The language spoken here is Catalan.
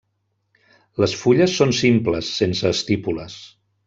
Les fulles són simples, sense estípules.